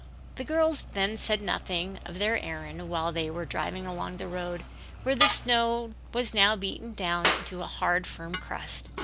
The girls then said nothing of their errand while they were driving along the road, where the snow was now beaten down into a hard, firm crust.